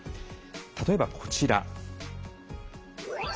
例えば、こちら。